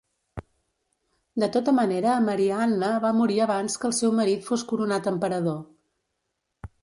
De tota manera Maria Anna va morir abans que el seu marit fos coronat emperador.